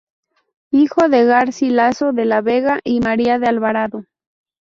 Hijo de Garcí Laso de la Vega y María de Alvarado.